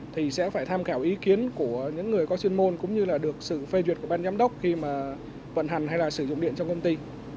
thì sẽ phải tham khảo ý kiến của những người có chuyên môn cũng như là được sự phê duyệt của ban giám đốc khi mà vận hành hay là sử dụng điện trong công ty